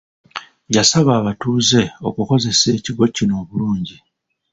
Yasaba abatuuze okukozesa ekigo kino obulungi.